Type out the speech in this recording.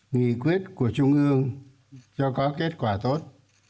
nghị quyết của trung ương cho có kết quả tốt